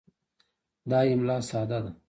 دا املا ساده ده.